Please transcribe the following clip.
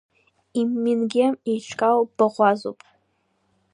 Иммингем еиҿкаау баӷәазоуп.